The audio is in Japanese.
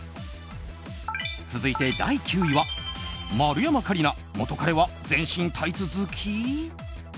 続いて第９位は、丸山桂里奈元カレは全身タイツ好き！？